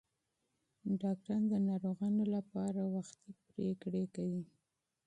ډاکټران د ناروغانو لپاره دقیقې پریکړې کوي.